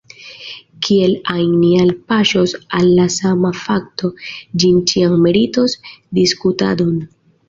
Kiel ajn ni alpaŝos al la sama fakto, ĝi ĉiam meritos diskutadon.